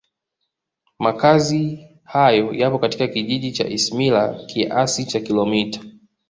Makazi hayo yapo katika Kijiji cha Isimila kiasi cha Kilomita